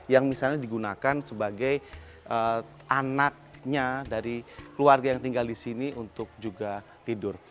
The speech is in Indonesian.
yang misalnya digunakan sebagai anaknya dari keluarga yang tinggal di sini untuk juga tidur